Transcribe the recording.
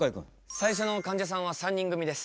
最初のかんじゃさんは３人組です。